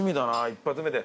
一発目で。